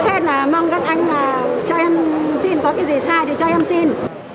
thế là mong các anh là cho em xin có cái gì sai thì cho em xin